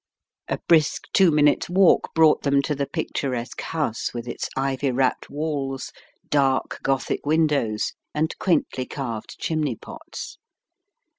A brisk two minutes' walk brought them to the picturesque house with its ivy wrapped walls, dark Gothic windows, and quaintly carved chimney pots.